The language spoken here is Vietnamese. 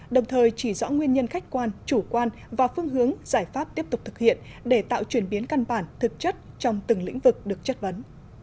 đồng thời chỉ rõ nguyên nhân khách quan chủ quan và phương hướng giải pháp tiếp tục thực hiện để tạo chuyển biến căn bản thực chất trong từng lĩnh vực được chất vấn